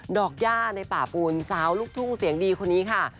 ดอกย่าในป่าปูนสาวลูกทุ่งเสียงดีคนนี้ค่ะ